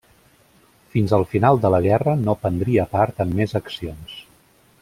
Fins al final de la guerra no prendria part en més accions.